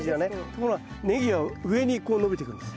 ところがネギは上にこう伸びてくんです。